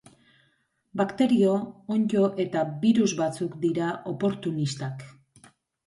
Bakterio, onddo eta birus batzuk dira oportunistak.